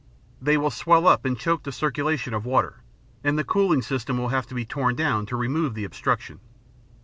They will swell up and choke the circulation of water, and the cooling system will have to be torn down to remove the obstruction.